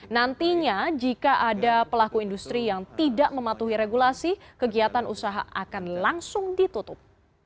nantinya jika ada pelaku industri yang tidak mematuhi regulasi kegiatan usaha akan langsung ditutup